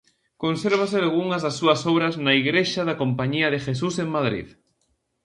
Consérvanse algunhas das súas obras na igrexa da Compañía de Jesús en Madrid.